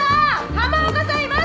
浜岡さんいました！